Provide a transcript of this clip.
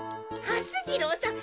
はす次郎さん